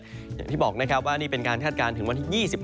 อย่างที่บอกนะครับว่านี่เป็นการคาดการณ์ถึงวันที่๒๕